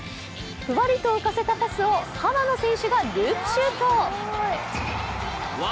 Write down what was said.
ふわりと浮かせたパスを、浜野選手がループシュート。